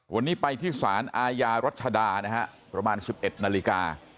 วันนี้ไปที่สารอาญารัชดานะฮะประมาณ๑๑นาฬิกา